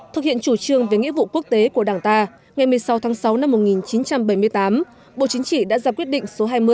thực hiện chủ trương về nghĩa vụ quốc tế của đảng ta ngày một mươi sáu tháng sáu năm một nghìn chín trăm bảy mươi tám bộ chính trị đã ra quyết định số hai mươi